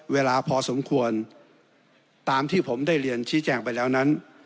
เวลาพอสมควรตามที่ผมได้เรียนชี้แจงไปแล้วนั้น